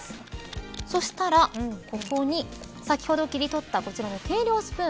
そしたら、ここに先ほど切り取ったこちらの計量スプーン。